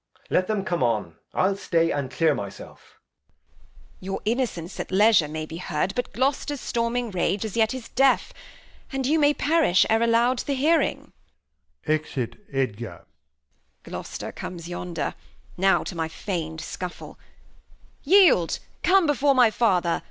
Edg. Let 'em come on, I'll stay and clear myself. Bast. Your Innocence at Leisure may be heard, But Gloster's storming Rage as yet is deaf. And you may perish e'er allow'd the Hearing [Exit Edgar. Gloster comes yonder : Now to my feign'd Scuffle — Yield, come before my Father